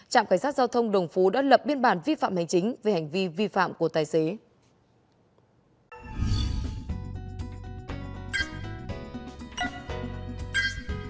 trạm cảnh sát giao thông đồng phú đã lập biên bản vi phạm hành chính về hành vi vi phạm của tài xế